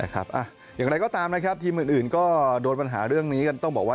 อย่างไรก็ตามนะครับทีมอื่นก็โดนปัญหาเรื่องนี้กันต้องบอกว่า